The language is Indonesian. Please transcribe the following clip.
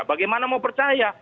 bagaimana mau percaya